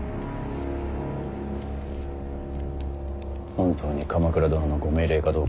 本当に鎌倉殿のご命令かどうか。